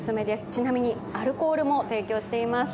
ちなみにアルコールも提供しています。